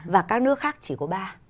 và các nước khác chỉ có ba